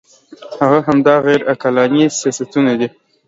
هغه همدا غیر عقلاني سیاستونه دي.